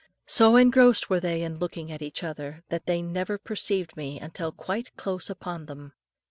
So engrossed were they in looking at each other, that they never perceived me until quite close upon them.